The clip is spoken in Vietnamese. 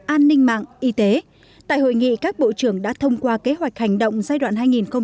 an ninh mạng y tế tại hội nghị các bộ trưởng đã thông qua kế hoạch hành động giai đoạn hai nghìn hai mươi hai nghìn hai mươi năm